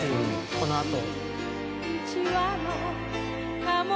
「このあと」